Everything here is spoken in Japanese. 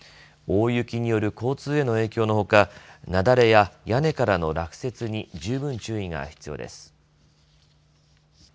大雪による交通への影響のほか雪崩や屋根からの落雪に十分、注意が必要です。